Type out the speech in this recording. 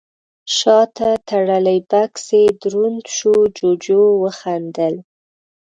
شاته تړلی بکس يې دروند شو، جُوجُو وخندل: